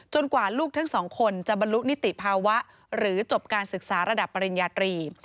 กว่าลูกทั้งสองคนจะบรรลุนิติภาวะหรือจบการศึกษาระดับปริญญาตรี